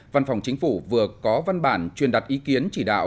văn phòng chính phủ vừa có văn bản truyền đặt ý kiến chỉ đạo